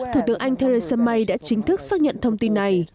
thủ tướng anh theresa may đã chính thức xác nhận thông tin này